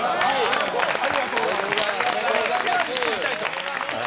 ありがとうございます。